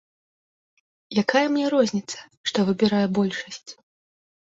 Якая мне розніцца, што выбірае большасць.